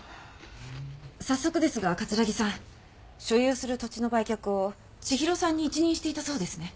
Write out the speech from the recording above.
早速ですが桂木さん所有する土地の売却を千尋さんに一任していたそうですね？